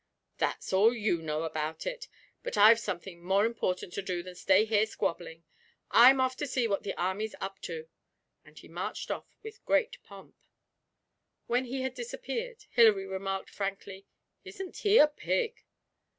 'That's all you know about it; but I've something more important to do than stay here squabbling. I'm off to see what the army's up to.' And he marched off with great pomp. When he had disappeared, Hilary remarked frankly, 'Isn't he a pig?'